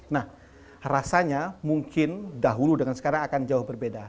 nah rasanya mungkin dahulu dengan sekarang akan jauh berbeda